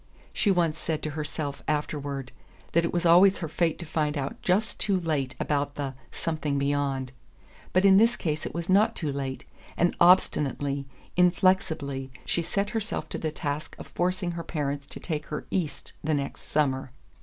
She once said to herself, afterward, that it was always her fate to find out just too late about the "something beyond." But in this case it was not too late and obstinately, inflexibly, she set herself to the task of forcing her parents to take her "east" the next summer.